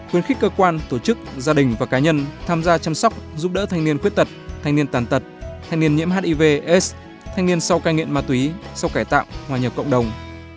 khuyến khích cơ quan tổ chức gia đình và cá nhân tham gia chăm sóc giúp đỡ thanh niên khuyết tật thanh niên tàn tật thanh niên nhiễm hiv aids thanh niên sau cai nghiện ma túy sau cải tạo hòa nhập cộng đồng